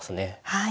はい。